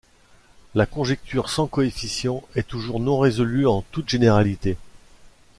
La conjecture sans coefficients est toujours non résolue en toute généralité.